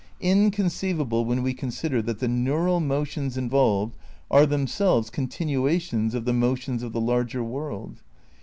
Inconceivable when we consider that the neural motions involved are them selves continuations of the motions of the larger world.